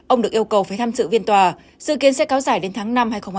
ông được yêu cầu phải tham dự phiên tòa dự kiến sẽ cao giải đến tháng năm hai nghìn hai mươi